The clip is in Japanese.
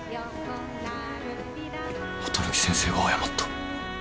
綿貫先生が謝った。